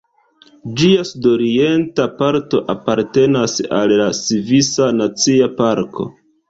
Ĝia sudorienta parto apartenas al la Svisa Nacia Parko.